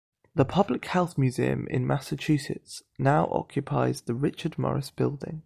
The Public Health Museum in Massachusetts now occupies the Richard Morris Building.